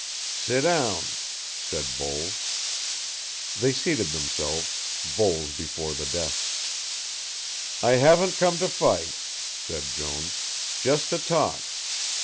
"Sit down," said Voles. They seated themselves, Voles before the desk. "I haven't come to fight," said Jones, "just to talk.